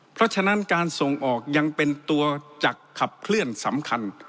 เพราะฉะนั้นการส่งออกยังเป็นตัวจักรขับเคลื่อนสำคัญ